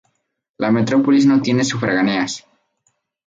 La metrópolis no tiene sufragáneas.